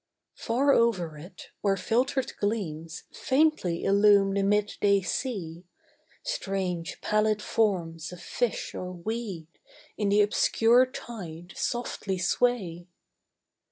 Far over it, where filtered gleams Faintly illume the mid sea day, Strange, pallid forms of fish or weed In the obscure tide softly sway.